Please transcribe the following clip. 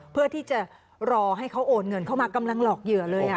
เพื่อที่จะรอให้เขาโอนเงินเข้ามากำลังหลอกเหยื่อเลย